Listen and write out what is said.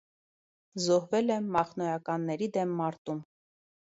Զոհվել է մախնոյականների դեմ մարտում։